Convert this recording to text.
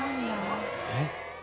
えっ？